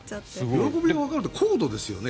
喜びがわかるって高度ですよね。